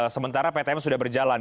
sementara ptm sudah berjalan